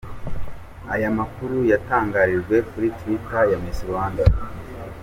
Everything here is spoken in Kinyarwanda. Aya makuru yatangarijwe kuri Twitter ya Miss Rwanda.